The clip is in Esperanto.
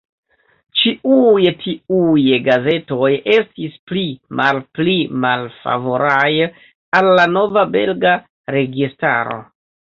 Ĉiuj tiuj gazetoj estis pli malpli malfavoraj al la nova belga registaro.